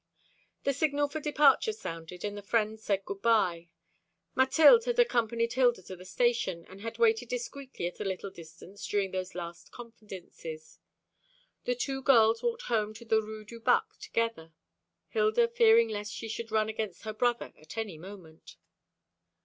The signal for departure sounded, and the friends said good bye. Mathilde had accompanied Hilda to the station, and had waited discreetly at a little distance during those last confidences. The two girls walked home to the Rue du Bac together, Hilda fearing lest she should run against her brother at any moment.